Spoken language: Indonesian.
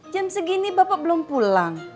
jam segini bapak belum pulang